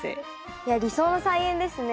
いや理想の菜園ですね。